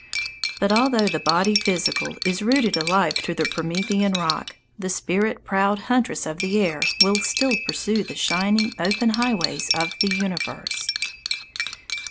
But although the body physical is rooted alive to the Promethean rock, the spirit proud huntress of the air will still pursue the shining, open highways of the universe.